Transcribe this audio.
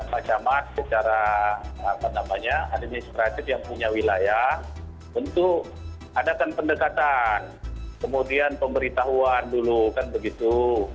pak jamat secara apa namanya ada nih strategi yang punya wilayah untuk adakan pendekatan kemudian pemberitahuan dulu kan begitu